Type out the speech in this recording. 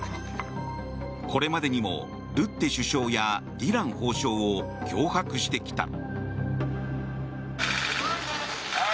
これまでにもルッテ首相やディラン法相を脅迫してきた。